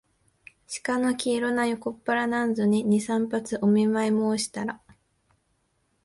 鹿の黄色な横っ腹なんぞに、二三発お見舞もうしたら、